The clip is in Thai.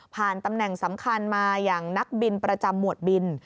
ตำแหน่งสำคัญมาอย่างนักบินประจำหมวดบิน